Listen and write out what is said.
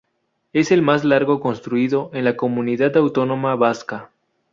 Es el más largo construido en la Comunidad Autónoma Vasca.